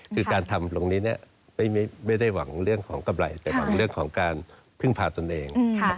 คือการทำตรงนี้ไม่ได้หวังเรื่องของกำไรแต่หวังเรื่องของการพึ่งพาตนเอง